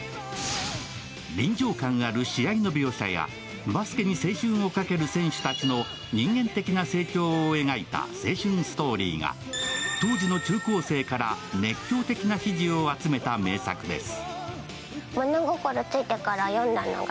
臨場感ある試合の描写やバスケに青春をかける選手たちの人間的な成長を描いた青春ストーリーが当時の中高生から熱狂的な支持を集めた名作です。